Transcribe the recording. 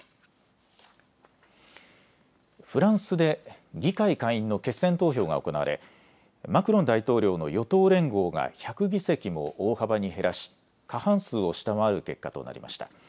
フランスで議会下院の決選投票が行われ、マクロン大統領の与党連合が１００議席も大幅に減らし、過半数を下回る結果となりました。